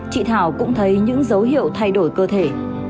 chị thảo cũng thấy những dấu hiệu thay đổi cơ thể